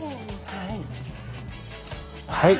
はい！